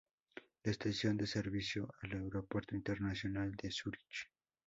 La estación da servicio al Aeropuerto Internacional de Zúrich.